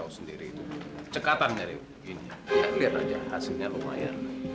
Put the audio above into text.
sampai jumpa di video selanjutnya